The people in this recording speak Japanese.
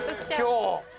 今日。